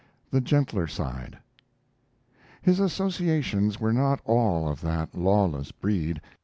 THE GENTLER SIDE His associations were not all of that lawless breed.